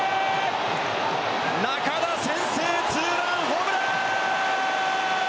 仲田、先制ツーランホームラン。